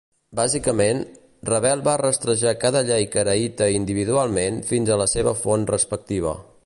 Bàsicament, Revel va rastrejar cada llei caraïta individualment fins a la seva font respectiva.